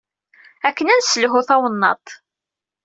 Akken ad nesselhu tawennaḍt.